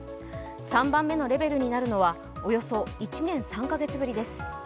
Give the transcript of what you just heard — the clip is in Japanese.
３番目のレベルになるのはおよそ１年３カ月ぶりです。